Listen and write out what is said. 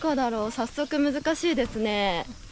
早速難しいですね。